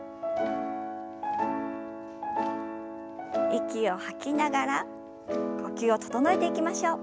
息を吐きながら呼吸を整えていきましょう。